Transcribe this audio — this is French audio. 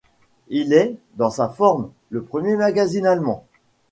Il est, dans sa forme, le premier magazine allemand.